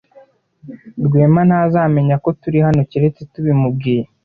Rwema ntazamenya ko turi hano keretse tubimubwiye.